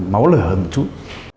máu lửa hơn một chút